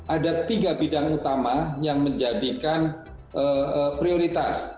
ada tiga bidang utama yang menjadikan prioritas